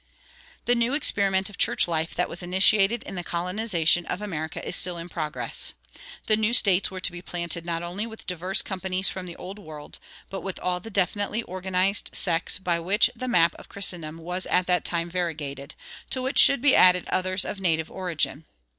The new experiment of church life that was initiated in the colonization of America is still in progress. The new States were to be planted not only with diverse companies from the Old World, but with all the definitely organized sects by which the map of Christendom was at that time variegated, to which should be added others of native origin.